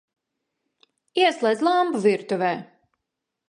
Ieslēdz lampu virtuvē!